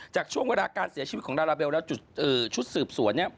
จากช่วงเวลาการเสียชีวิตของลาลาเบลและชุดสืบสวนเนี่ย